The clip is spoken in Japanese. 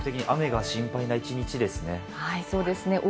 全国的に雨が心配な一日ですね。